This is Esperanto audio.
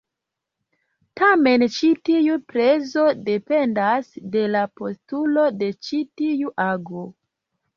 Tamen ĉi tiu prezo dependas de la postulo de ĉi tiu ago.